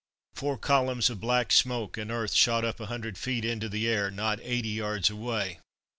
Four columns of black smoke and earth shot up a hundred feet into the air, not eighty yards away.